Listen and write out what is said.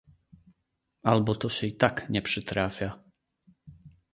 "albo to się i tak nie przytrafia..."